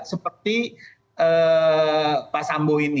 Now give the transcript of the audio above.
seperti pak sambu